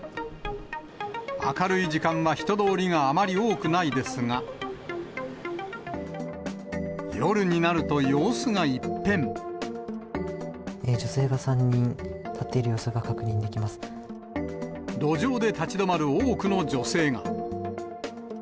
明るい時間は人通りがあまり多くないですが、夜になると、様子が女性が３人立っている様子が路上で立ち止まる多くの女性が。